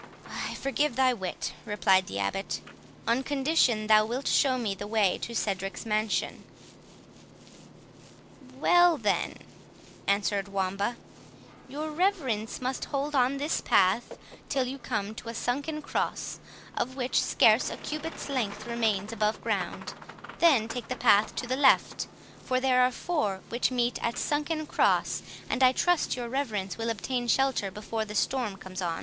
"I forgive thy wit," replied the Abbot, "on condition thou wilt show me the way to Cedric's mansion." "Well, then," answered Wamba, "your reverences must hold on this path till you come to a sunken cross, of which scarce a cubit's length remains above ground; then take the path to the left, for there are four which meet at Sunken Cross, and I trust your reverences will obtain shelter before the storm comes on."